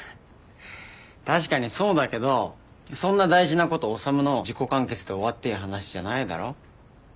確かにそうだけどそんな大事なこと修の自己完結で終わっていい話じゃないだろ？